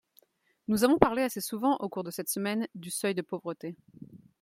Nous avons parlé assez souvent, au cours de cette semaine, du seuil de pauvreté.